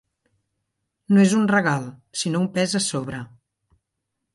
No és un regal, sinó un pes a sobre.